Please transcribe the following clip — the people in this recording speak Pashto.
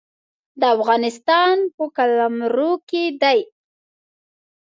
د افغانستان په قلمرو کې دی.